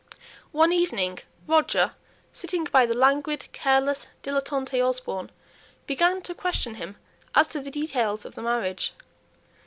One evening Roger, sitting by the languid, careless, dilettante Osborne, began to question him as to the details of the marriage.